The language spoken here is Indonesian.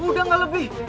udah gak lebih